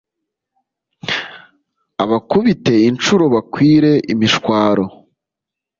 abakubite incuro bakwire imishwaro,